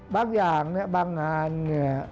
บางอย่างบางงาน